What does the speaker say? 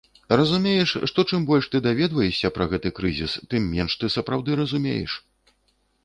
Разумееш, што чым больш ты даведваешся пра гэты крызіс, тым менш ты сапраўды разумееш.